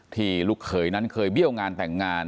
ลูกเขยนั้นเคยเบี้ยวงานแต่งงาน